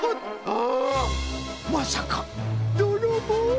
ハッまさかどろぼう？